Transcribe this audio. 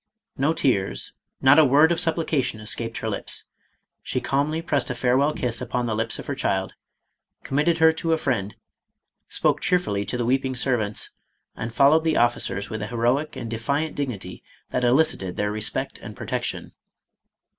No tears, not a word of supplication es caped her lips. She calmly pressed a farewell kiss upon the lips of her child, committed her to a friend* spoke cheerfully to the weeping servants, and followed the officers with a heroic and defiant dignity that eli cited their respect and protection.